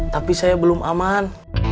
tapi saya belum aman